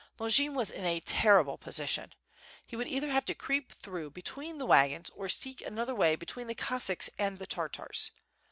Longin was in a terrible position. He would either have to creep through between the wagons or seek another way be tween the Cossacks and the Tartars.